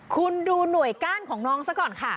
คุณดูหน่วยก้านของน้องซะก่อนค่ะ